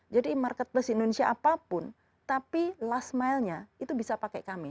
jadi marketplace indonesia apapun tapi last mile nya itu bisa pakai kami